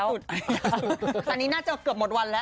อันนี้ยากสุดอันนี้น่าจะเกือบหมดวันแล้ว